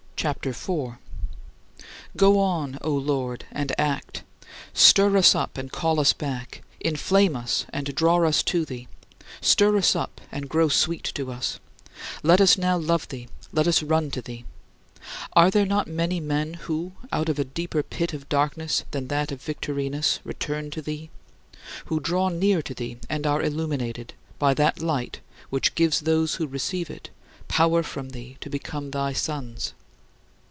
CHAPTER IV 9. Go on, O Lord, and act: stir us up and call us back; inflame us and draw us to thee; stir us up and grow sweet to us; let us now love thee, let us run to thee. Are there not many men who, out of a deeper pit of darkness than that of Victorinus, return to thee who draw near to thee and are illuminated by that light which gives those who receive it power from thee to become thy sons?